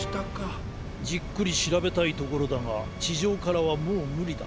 じっくりしらべたいところだがちじょうからはもうむりだ。